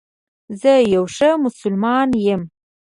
زه یو ښه مسلمان یم